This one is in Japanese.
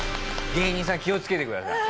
芸人さん気をつけてください。